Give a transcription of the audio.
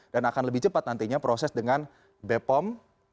dan akan lebih cepat nantinya proses dengan bepom